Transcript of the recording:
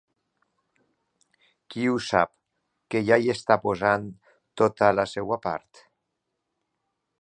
Qui ho sap, que ja hi està posant tota la seva part?